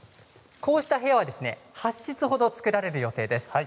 こうした部屋は８つほど作られる予定です。